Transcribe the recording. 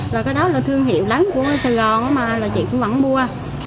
rồi cái đó là thương hiệu đáng của sài gòn á mà là chị cũng vẫn mua